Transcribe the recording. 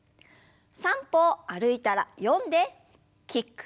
３歩歩いたら４でキック。